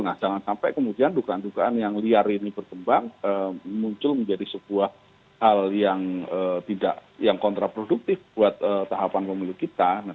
nah jangan sampai kemudian dugaan dugaan yang liar ini berkembang muncul menjadi sebuah hal yang kontraproduktif buat tahapan pemilu kita